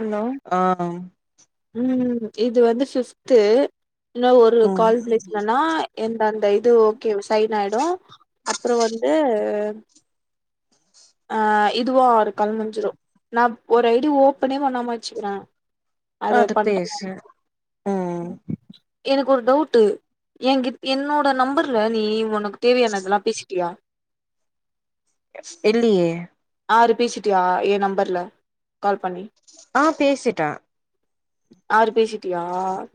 hello ஆ ம் இது வந்து ஃபிப்து இன்னு ஒரு ம் கால் பேஸ்னனா எந்த அந்த இது ஓகே விஸ் டைன்னாய்டு அப்புறோ வந்து ஆ இதுவு ஆறு கால் முஞ்சுரு நா ஒரு ஐடி ஓப்பனே பண்ணாம வச்சுக்கிற அதுபேச ம் எனக்கு ஒரு டவுட்டு எ கி என்னோட நம்பர்ல நீ ஒனக்கு தேவயான இதல்லா பேசிட்டியா இல்லியே ஆறு பேசிட்டியா எ நம்பர்ல கால் பண்ணி ஆ பேசிட்டே ஆறு பேசிட்டியா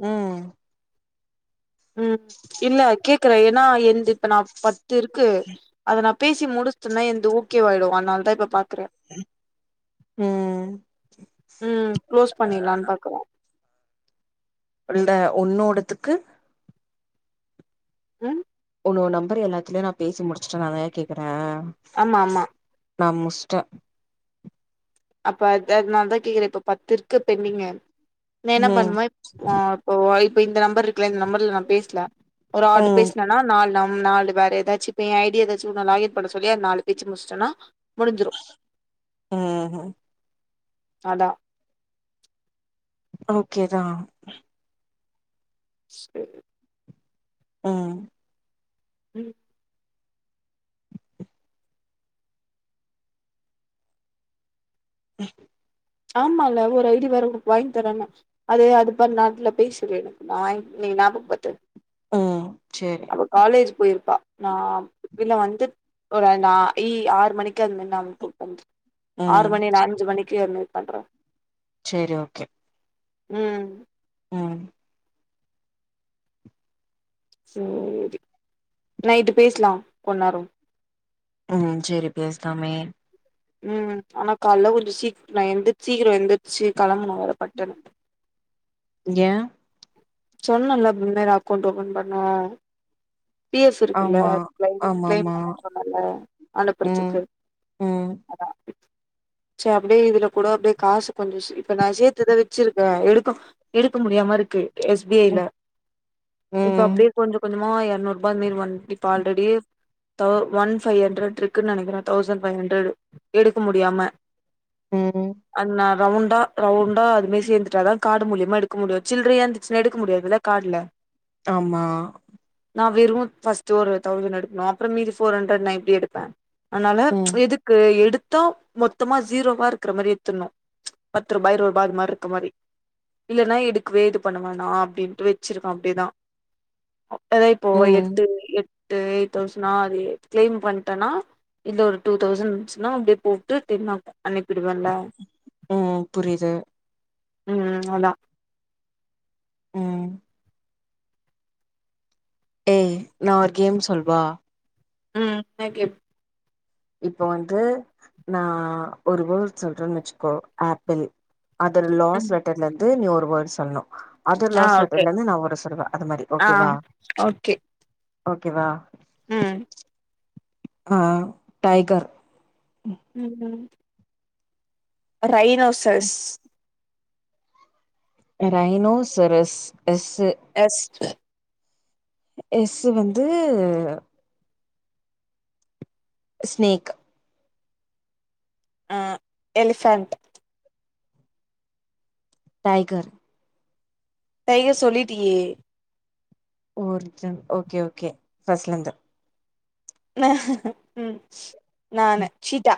ம் ம் இல்ல கேக்குறே ஏனா என்து இப்ப நா பத்துருக்கு அத நா பேசி முடிச்ட்டன்னா என்து ஓகேவாய்டு அன்னால தா இப்ப பா க்குறே ம் ம் க்ளோஸ் பண்ணிலான் பாக்குறே இல்ட ஒன்னோடத்துக்கு ம் ஒன்னவோ நம்பர் எல்லாத்திலயு நா பேசி முடிச்சுட்டே னாதய கேக்குற ஆமா ஆமா நா முச்ட்ட அப்ப அ அதனால தா கேக்குறே இப்ப பத்து இருக்கு பென்டிங்கு நா என்ன ம் பண்ணுவே ஆ ஓ இப்ப இந்த நம்பர் இருக்குல இந்த நம்பர்ல நா பேசல ஒரு ஆள்ட்ட ம் பேசுனா நா நால் நம் நாலு வேற எதாச்சு ப்ப எ ஐடி எதாச்சு நா லாகின் பண்ண சொல்லி அந்நாலு பேச்சு முச்ட்டன்னா முடிஞ்சிரு ஆ ஹ அதா ஓகே தா ஸ்பே ம் ம் [unintelligible] ஆமால ஒரு ஐடி வேற உனுக்கு வாய்ன் தரேனே அது அது பன் நேரத்துல பேசிடு எனக்கு நா இன்னக்கி ஞாபக பத்து ம் சேரி அவ காலேஜ் போய்ருப்பா நா இல்ல வந்து ப்ப வேணா ஈ ஆறு மணிக்கு அத்மாரி நா உன்க்கு பண்றே ஆறு ம் மணி என்ன அஞ்சு மணிக்கே அத்மாரி பண்றே சேரி ஓகே ம் ம் சேரி நைட்டு பேசலா கொந்நேரோ ம் செரி பேசலாமே ம் ஆனா காலைல கொஞ்சோ சீ நா எந்திர் சீக்கிரோ எந்துர்ச்சு கெளம்பனு வேற பட்டுன்னு ஏ சொன்னல ம் வேற அக்கௌண்ட் ஓபன் பண்ணு பி எஃப் இருக்குல்ல ஆமா அது க்ளைம் க்ளைம் ஆமாமா பண்ணு சொன்னல ம் அனுப்புறதுக்கு ம் அதா சே அப்டியே இதுல கூட அப்டியே காசு கொஞ்சோ இப்ப நா சேத்துதா வச்சிருக்கே எடுக்க எடுக்க முடியாமருக்கு எஸ் பி ஐ ல இப்ப ம் அப்டியே கொஞ்ச கொஞ்சமா எர்நூறு ரூபா அது மேரி வந் இப்ப ஆல்ரெடி தொ ஒன் ஃபைவ் ஹண்டரட் இருக்குன்னு நெனைகறேன் தௌசண்ட் ஃபைவ் ஹண்ட்ரட் எடுக்க முடியாம ம் அதுனா ரவுண்டா ரவுண்டா அதுமே சேர்ந்துட்டாதா காடு மூலியமா எடுக்க முடியு சில்லறையா ஸ்னு எடுக்க முடியாதுல்ல கார்டுல ஆமா நா வெறு ஃபர்ஸ்ட் ஒரு தௌவ்சண்டு எடுக்கனு அப்றோ மீதி ஃபோர் ஹண்ட்ரட் நா இப்டி எடுப்பே அதனால ம்ச் ம் எதுக்கு எடுத்தா மொத்தமா சீரோவா இருக்கற மாரி எத்துணு பத்து ரூபா இருப ரூபா இருக்க மாரி இல்லைனா எடுக்குவே இது பண்ண வேணா அப்டின்ட்டு வெச்சிருக்கான் அப்டியேதா அதா இப்போ ம் எட்டு எ ட்டு எயிட் தௌசண்னா அது க்ளைம் பண்ணிட்டனா இதுல ஒரு டூ தௌசண்ட் இருந்துச்சுன்னா அப்டியே போட்டு டென் ஆ அனுப்பிடுவேன்ல ம் புரிது ம் அதான் ம் ஏய் நா ஒரு கேம் சொல்வா ம் ஓகே இப்போ வந்து நா ஒரு வேர்டு சொல்றேன்னு வெச்சுக்கோ ஆப்பிள் அது ம் லாஸ்ட் லெட்டர்ல இருந்து நீ ஒரு வேர்டு சொல்ணு அது ஆ லாஸ்ட் ஓகே லெட்டர்ல இருந்து நா ஒரு வேர்டு சொல்லுவ அது மாரி ஆ ஓகேவா ஓகே ஓகேவா ம் ஆ டைகர் ம் ரைனோசஸ் ரைனோசர்ஸ் எஸ் எஸ்ட் எஸ்ஸு வந்து ஸ்நேக் அ எலிஃபேன்ட் டைகர் டைகர் சொல்லிட்டியே ஓர்ஜன் ஓகே ஓகே ஃபர்ஸ்ட்லந்து ம் நானு சீட்டா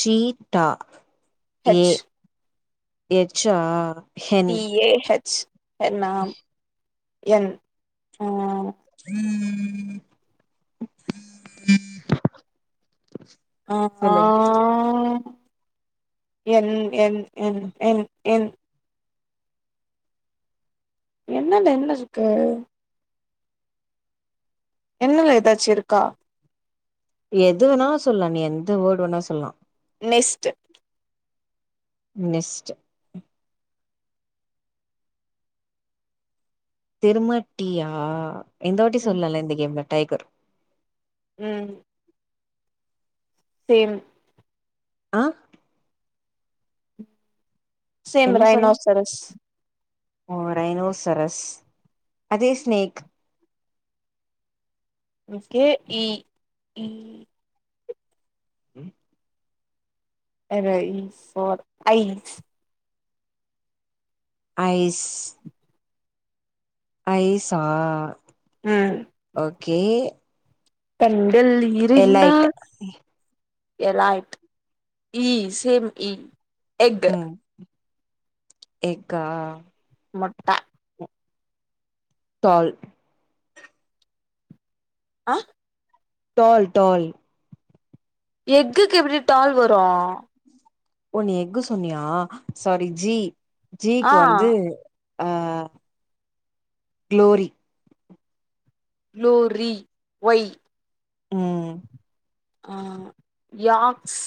சீட்டா ஏ ஹெச் எச்சா ஹென் டி ஏ ஹெச் என்னாம் என் அ ஆ சொல்லு என் என் என் என் என் என்னன என்ன இருக்கு என்னுல எதாச்சு இருக்கா எதுனாலூ சொல்லா நீ எந்த வேர்டு வேணாலு சொல்லா நெஸ்ட் நெஸ்ட்டு திரும டீயா எந்த வாட்டி ம் சொல்லால்ல இந்த கேம்ல டைகர் ம் சேரன் ஆ சேம் என்ன சொன்ன ரைனோசரஸ் ஓ ரைனோசரஸ் அதே ஸ்நேக் ஓகே இ இ ம் அ ரைஸ் ஃபார் ஐஸ் ஐஸ் ஐஸா ம் ஓகே கண்கள் எலைட் இரண்டால் எலைட் இ சேம் இ எக்கு ம் எக்கா முட்ட தால் ஆ டால் டால் எக்குக்கு எப்டி டால் வரு ஓ நீ எக்கு சொன்னியா சாரி ஜி ஜிக்கு ஆ வந்து ஆ க்ளோரி க்ளோரி ஒய் ம் ஆ ய்க்ஸ்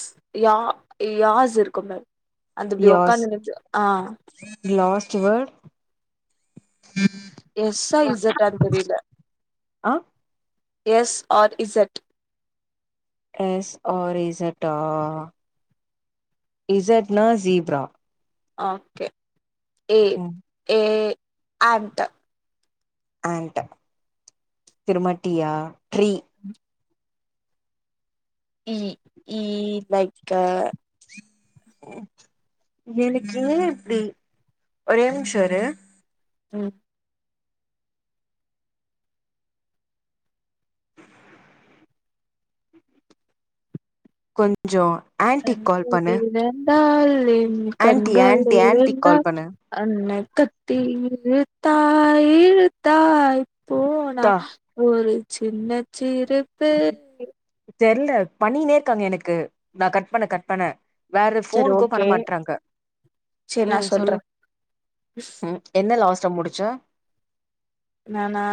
ய யாஸ் இருக்கு பாரு அந்த இப்டி ஒக்காந்து இருந்துருப்பியே ஆ லாஸ்ட்டு வேட் எஸ்ஸா இசட்டான்னு தெரியல ஆ S R Z S R இசட்டா இசட்னா ஜீப்ரா ஓகே ஏ ம் ஏ ஆண்ட்டு ஆண்ட்டு திருமட்டியா ட்ரீ இ இ லைக்க எனக்கு ஏ இப்டி ஒரே நிம்ச இரு ம் கொஞ்ச ஆண்டிக்கு கால் பண்ணு காலிங் ஆன்ட்டி கண்கள் ஆன்ட்டி ஆன்ட்டிக் இரண்டா கால் பண்ணு அண்ண கொத்தி இழுத்தாய் இழுத்தாய் போனா தா ஒரு சின்ன சிரிப்பில் தெர்ல பண்ணிக்கினே இருக்காங்க எனக்கு நா கட் பண்ண கட் பண்ண வேற சரி ஃபோனுக்கு பண்ண ஓகே மாட்றாங்க சரி ம் நான் சொல்லு சொல்றேன் ம் என்ன லாஸ்ட்டா முடிச்சோ நானா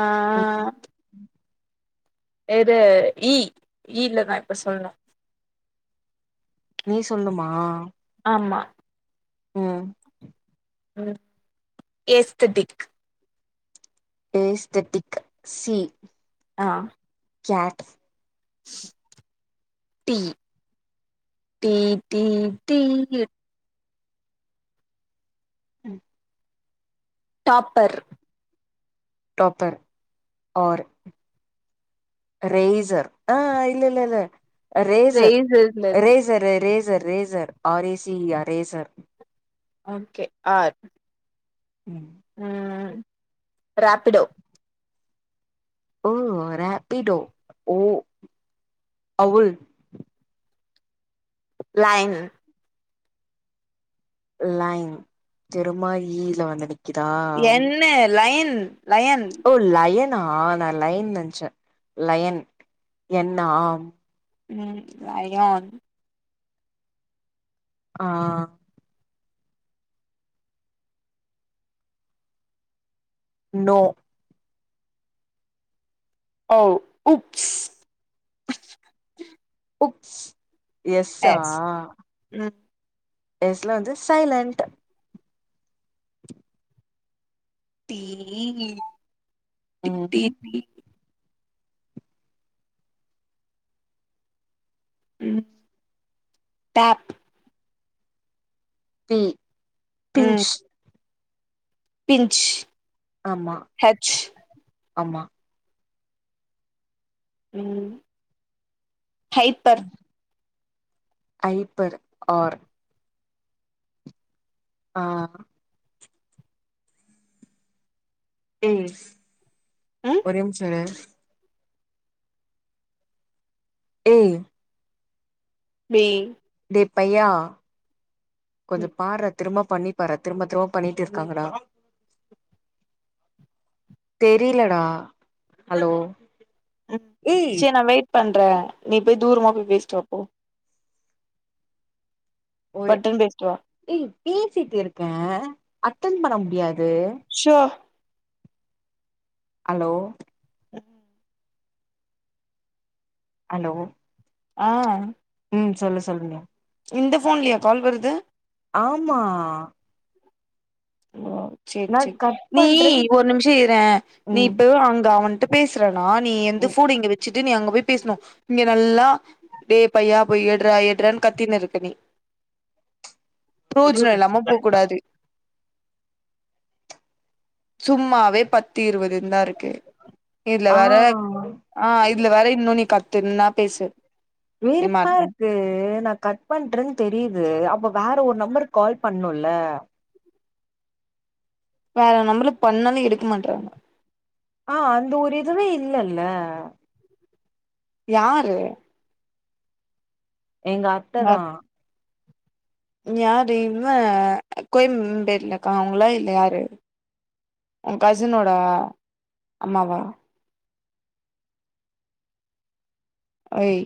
ஆ ம் இது இ இலதா இப்ப சொல்னு இ சொல்னுமா ஆமா ம் ம் ஏஸ்தடிக் ஏஸ்தட்டிக் சி ஆ chat T T T T ம் டாப்பர் டாப்பர் ஓர் ரேசர் ஆ இல்ல இல்ல இல்ல ரேசர் ரேசர்ல இருக்கு racer racer R AC C R racer okay R ம் ம் ராப்பிடோ ஓ ரப்பிடோ ஓ அவுல் லைன் லைன் திரும்மா ஈல வந்ததுக் என்ன லயன் லயன் ஓ லயனா நா லைன் நெனச்ச லயன் என்னா ம் லயன் ஆ நோ ஓ உப்ஸ் எஸ் சா ம் எஸ் ல வந்து சைலண்டட் டீயி ம் ம் டேப் ம் ம் பிஞ்ச் பிஞ்ச் ஆமா ஹச் ஆமா ஹைப்பர் ஹைப்பர் ஆர் ஆ ஒரே ம் நிமிசம் இரு ஏய் மே டேய் பையா கொஞ்ச ம் பார்றா திரும்ப பண்ணி பர திரும்ப திரும்ப பண்ணிட்டு இருக்காங்கடா ஹலோ ம் ஏய் செரி நா வெயிட் பண்ற நீ போய் தூரமா போய் பேசிட்டு வா போ ஒரு பட்டுன் பேச்சிட்டுவா ஏய் பேசிட்டு இருக்கேன் அட்டன் பண்ண முடியாது சோ ஹலோ ஹலோ ஆ ம் சொல்லு சொல்லுங்க இந்த போன்லயா கால் வருது ஆமா ஓ செர் நா செர் கட் நீ பண்றேன் ஒரு நிமிஷ இறே நீ ம் இப்ப அங்க அவன்ட பேசுறனா நீ எந்த ஃபோன இங்க வச்சுட்டு நீ அங்க போய் பேசணு இங்க நல்லா டே பையா போய் எட்றா எட்றானு கத்தினு இருக்க நீ ப்ரோஜன இல்லாம போக் கூடாது சும்மாவே பத்து இருபதுனு தா இருக்கு இதுல ஆ வேற ஆ இதுல வேற இன்னு நீ கத்துன்னா பேசு நீ மாட்ன வெறுப்பாருக்கு ஏ நா கட் பண்றேன் தெரியுது அப்ப வேற ஒரு நம்பருக்கு கால் பண்ணுல வேற நம்பருக்கு பண்ணாலு எடுக்க மாட்டறாங்க ஆ அந்த ஒரு இதுவே இல்லல்ல யாரு எங்க அத்த தா யாரு இல்ல கோயம்பேட்லக்கா அவங்களா இல்ல யாரு உன் கசினோட அம்மாவா ஓய்